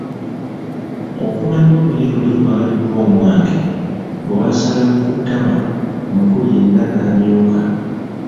Okumanya oluyi luli lwali'vvoomwange', lwasala ne ku ttama omukulu yenna n’amyuka.